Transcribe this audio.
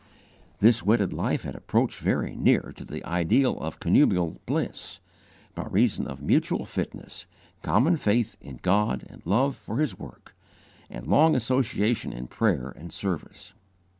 This wedded life had approached very near to the ideal of connubial bliss, by reason of mutual fitness, common faith in God and love for His work, and long association in prayer and service.